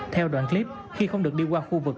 theo đoạn clip khi không được đi qua khu vực